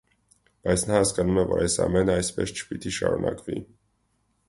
Բայց նա հասկանում է, որ այս ամենը այսպես չպիտի շարունակվի։